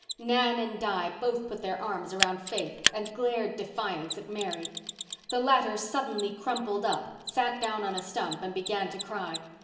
Nan and Di both put their arms around Faith and glared defiance at Mary. The latter suddenly crumpled up, sat down on a stump and began to cry.